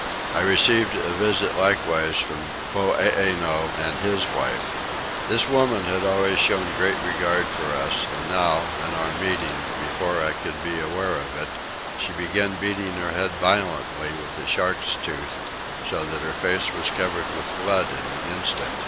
I received a visit likewise from Poeeno and his wife. This woman had always shown great regard for us; and now, on our meeting, before I could be aware of it, she began beating her head violently with a shark's tooth so that her face was covered with blood in an instant.